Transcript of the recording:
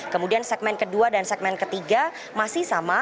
kemudian segmen kedua dan segmen ketiga masih sama